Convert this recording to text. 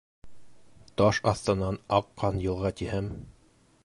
Таш аҫтынан аҡҡан йылға тиһәм